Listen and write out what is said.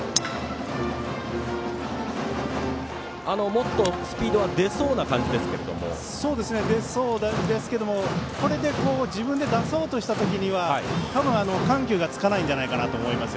もっとスピードは出そうな感じですけども出そうですけど自分で出そうとした時には多分、緩急がつかないんじゃないかと思います。